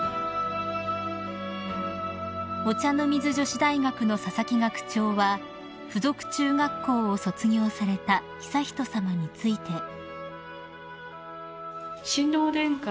［お茶の水女子大学の佐々木学長は附属中学校を卒業された悠仁さまについて］